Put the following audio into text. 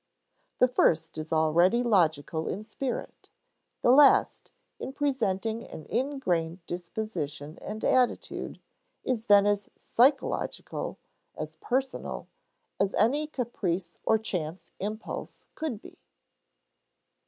The first is already logical in spirit; the last, in presenting an ingrained disposition and attitude, is then as psychological (as personal) as any caprice or chance impulse could be.